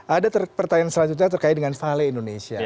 ada pertanyaan selanjutnya terkait dengan vale indonesia